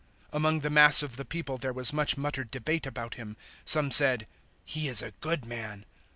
007:012 Among the mass of the people there was much muttered debate about Him. Some said, "He is a good man."